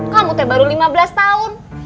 kamu baru lima belas tahun